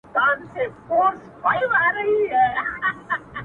نه یې مینه سوای له زړه څخه شړلای.!